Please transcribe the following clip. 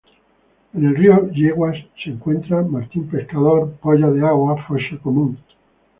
En el río Yeguas se encuentran martín pescador, polla de agua, focha común.